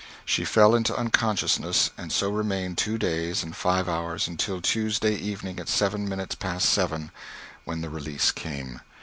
She fell into unconsciousness and so remained two days and five hours, until Tuesday evening at seven minutes past seven, when the release came.